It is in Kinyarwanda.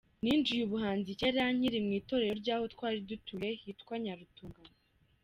Ninjiye ubuhanzi kera nkiri mu itorero ry’aho twari dutuye hitwa Nyarutunga.